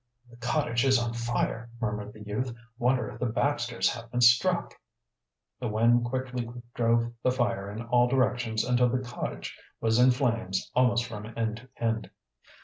"The cottage is on fire!" murmured the youth. "Wonder if the Baxters have been struck?" The wind quickly drove the fire in all directions until the cottage was in flames almost from end to end.